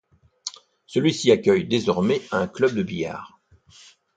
Celui-ci accueille désormais un club de billard.